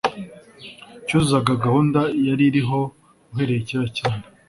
cyuzuzaga gahunda yari iriho uhereye kera cyane.